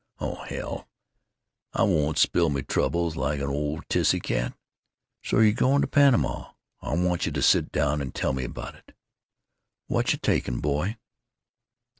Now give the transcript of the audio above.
Oh, hell, I won't spill me troubles like an old tissy cat.... So you're going to Panama? I want yuh to sit down and tell me about it. Whachu taking, boy?"